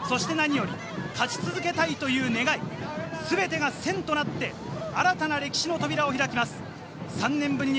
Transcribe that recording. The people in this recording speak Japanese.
そして何より勝ち続けたいという願い、全てが線となって、新たな歴史の扉を開きます。